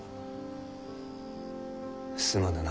すまぬな。